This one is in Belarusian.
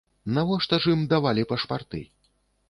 Навошта ж ім давалі пашпарты?